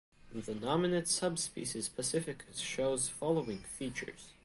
The nominate subspecies "pacificus" shows following features.